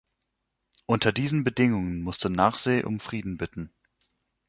Unter diesen Bedingungen musste Narseh um Frieden bitten.